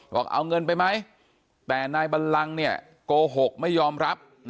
บอกเอาเงินไปไหมแต่นายบัลลังโกหกไม่ยอมรับ